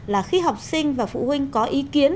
là khi học sinh và phụ huynh có ý kiến